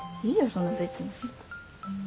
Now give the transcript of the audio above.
そんな別に。